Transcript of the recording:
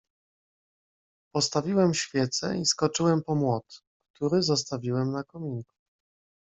"Postawiłem świecę i skoczyłem po młot, który zostawiłem na kominku."